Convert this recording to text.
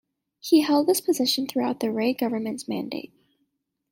He held this position throughout the Rae government's mandate.